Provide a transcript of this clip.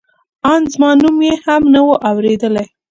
ان زما نوم یې هم نه و اورېدلی.